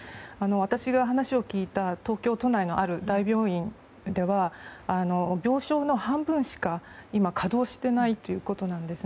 私が話を聞いた東京都内のある大病院では病床の半分しか今稼働していないということなんです。